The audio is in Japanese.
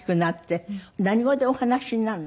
何語でお話しになるの？